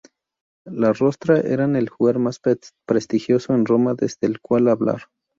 Los rostra eran el lugar más prestigioso en Roma desde el cual hablar.